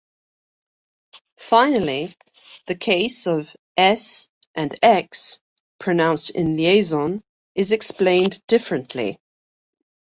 Finally, the case of "-s" and "-x" pronounced in liaison is explained differently.